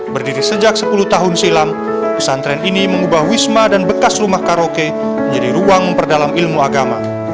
berdiri sejak sepuluh tahun silam pesantren ini mengubah wisma dan bekas rumah karaoke menjadi ruang memperdalam ilmu agama